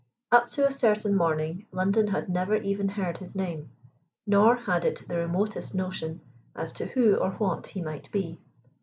Up to a certain morning London had never even heard his name, nor had it the remotest notion as to who or what he might be.